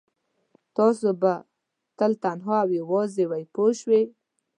تاسو به تل تنها او یوازې وئ پوه شوې!.